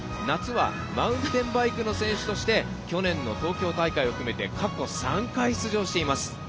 夏はマウンテンバイクの選手として去年の東京大会を含めて過去３回出場しています。